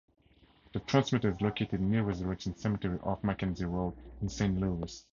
The transmitter is located near Resurrection Cemetery off Mackenzie Road in Saint Louis.